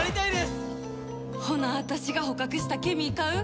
ほな私が捕獲したケミー買う？